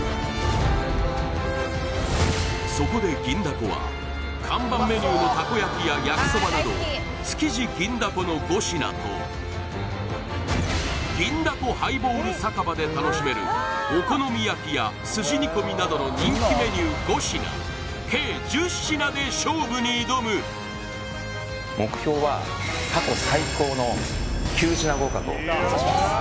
そこで銀だこは看板メニューのたこ焼や焼きそばなど築地銀だこの５品と銀だこハイボール酒場で楽しめるお好み焼やすじ煮込みなどの人気メニュー５品計１０品で勝負に挑む目標は９品合格を目指します